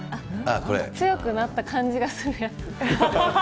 強くなった感じがするやつ？